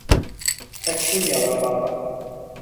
Очумела баба!